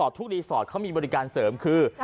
ทุกรีสอร์ทเขามีบริการเสริมคือ